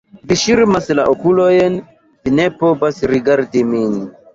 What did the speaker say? Vi ŝirmas la okulojn, vi ne volas rigardi min!